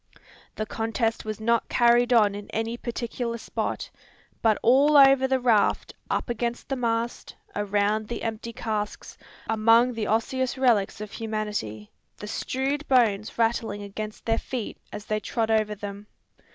The contest was not carried on in any particular spot, but all over the raft; up against the mast, around the empty casks, among the osseous relics of humanity, the strewed bones rattling against their feet as they trod over them.